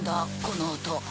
この音。